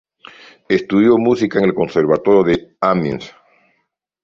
Estudió música en el Conservatorio de Amiens.